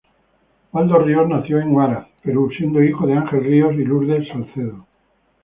Waldo Ríos nació en Huaraz, Perú, siendo hijo de Ángel Ríos y Lourdes Salcedo.